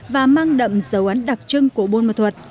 và mang đậm dấu ấn đặc trưng của buôn ma thuật